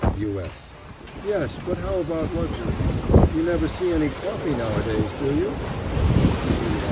U. S. Yes; but how about luxuries? You never see any coffee nowadays, do you?